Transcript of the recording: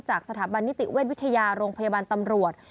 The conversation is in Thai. สถาบันนิติเวชวิทยาโรงพยาบาลตำรวจ